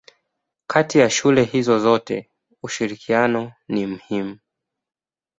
Kati ya shule hizo zote ushirikiano ni muhimu.